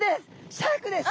シャークです。